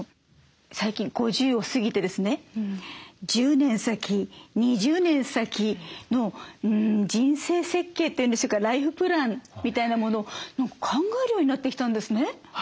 最近５０を過ぎてですね１０年先２０年先の人生設計というんでしょうかライフプランみたいなものを考えるようになってきたんですね。